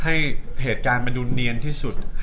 ให้เหตุการณ์มันดูเนียนที่สุด